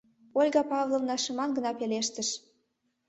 — Ольга Павловна шыман гына пелештыш.